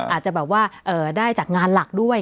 อาจจะแบบว่าได้จากงานหลักด้วย